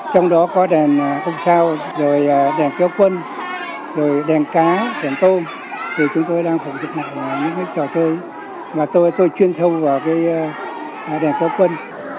trong đó có đèn công sao rồi đèn kéo quân rồi đèn cá đèn tôm rồi chúng tôi đang phục dựng lại những cái trò chơi mà tôi chuyên sâu vào cái đèn kéo quân